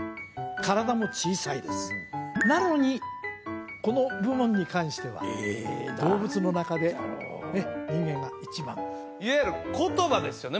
体も小さいですなのにこの部門に関しては動物の中でね人間が一番いわゆる言葉ですよね